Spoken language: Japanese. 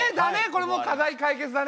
これもう課題解決だね。